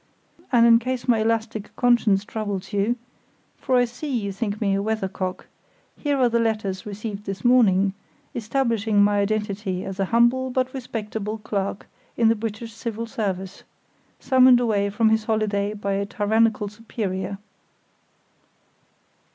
And in case my elastic conscience troubles you (for I see you think me a weather cock) here are the letters received this morning, establishing my identity as a humble but respectable clerk in the British Civil Service, summoned away from his holiday by a tyrannical superior."